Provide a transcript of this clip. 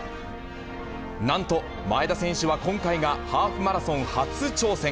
なんと前田選手は今回がハーフマラソン初挑戦。